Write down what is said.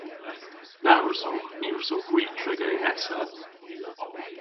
Na wrussowgh. Ny wrussowgh hwi triga yn Essa.